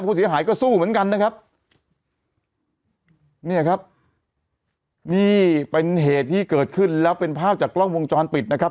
ผู้เสียหายก็สู้เหมือนกันนะครับเนี่ยครับนี่เป็นเหตุที่เกิดขึ้นแล้วเป็นภาพจากกล้องวงจรปิดนะครับ